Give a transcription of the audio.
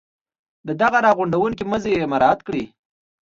د دغه را غونډوونکي مزي مراعات وکړي.